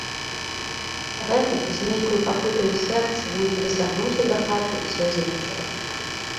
Гэтак, з нейкаю пакутаю ў сэрцы, ён дацягнуўся дахаты i сеў за вячэру...